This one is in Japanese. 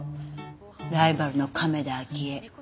ライバルの亀田亜希恵。